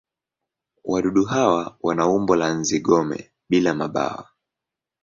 Wadudu hawa wana umbo wa nzi-gome bila mabawa.